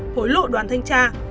hối lộ đoàn thanh tra